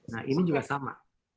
nah ini juga sama